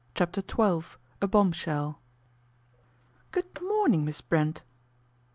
CHAPTER XII A BOMBSHELL OOD morning, Miss Brent."